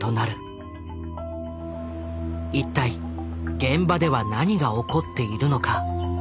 一体現場では何が起こっているのか？